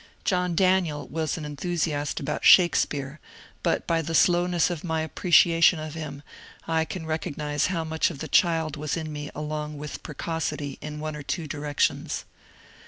John Daniel was an enthusiast about Shakespeare, but by the slowness of my appreciation of him I can recognize how much of the child was in me along with precocity in one or two directions.